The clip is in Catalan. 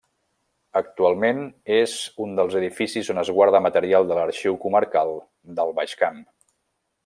Actualment és un dels edificis on es guarda material de l'Arxiu Comarcal del Baix Camp.